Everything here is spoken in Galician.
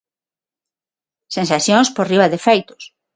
Sensacións por riba de feitos.